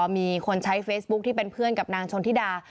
มีคนใช้เฟซบุ๊คที่เป็นเพื่อนกับนางชนธิดา